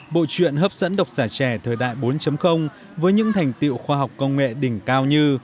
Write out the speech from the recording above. bộ chuyện hấp dẫn độc giả trẻ thời đại bốn với những thành tiệu khoa học công nghệ đỉnh cao như